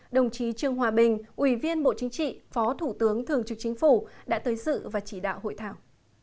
đồng chí trương hòa bình ủy viên bộ chính trị phó thủ tướng thường trực chính phủ đã tới sự và chỉ đạo hội thảo